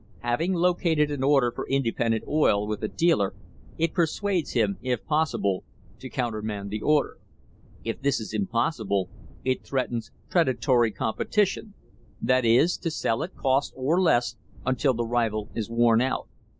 Having located an order for independent oil with a dealer, it persuades him, if possible, to countermand the order. If this is impossible, it threatens "predatory competition," that is, to sell at cost or less, until the rival is worn out.